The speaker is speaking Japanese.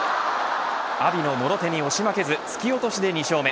阿炎の諸手に押し負けず突き落としで２勝目。